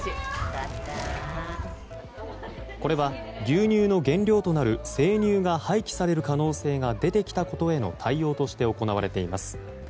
これは、牛乳の原料となる生乳が廃棄される可能性が出てきたことへの対応として行われています。